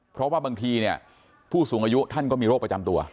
เพราะว่าบางทีเนี่ยผู้สูงอายุท่านก็มีโรคประจำตัว